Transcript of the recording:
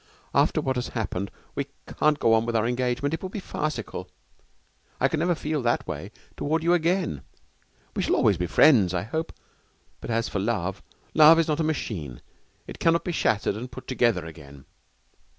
After what has happened, we can't go on with our engagement. It would be farcical. I could never feel that way toward you again. We shall always be friends, I hope. But as for love love is not a machine. It cannot be shattered and put together again.'